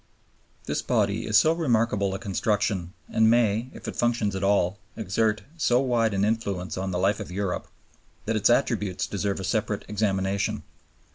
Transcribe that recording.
This body is so remarkable a construction and may, if it functions at all, exert so wide an influence on the life of Europe, that its attributes deserve a separate examination.